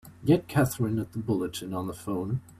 Get Katherine at the Bulletin on the phone!